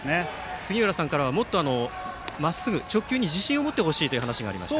杉浦さんからはもっとまっすぐ直球に自信を持ってほしいという話がありました。